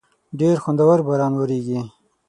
ډېر خوندور باران وریږی